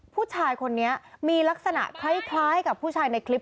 ผู้ชายคนนี้มีลักษณะคล้ายกับผู้ชายในคลิป